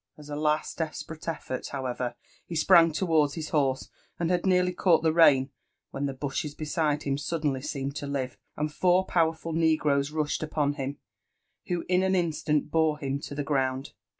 AS a last desperate effort, however, he sprang towards his horse, and naa nearly caught the rein, when the bushes beside him suddenly seemed to live, and four powerful negroes rushed upon him, who in an instant bore him to the ground.